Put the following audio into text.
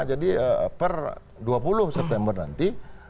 jadi per dua puluh september nanti